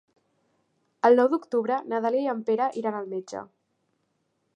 El nou d'octubre na Dàlia i en Pere iran al metge.